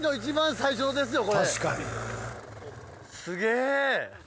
すげえ。